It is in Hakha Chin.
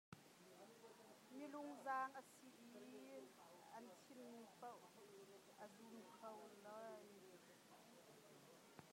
Mi lungzang a si i an chimmi paoh a zumh ko lai.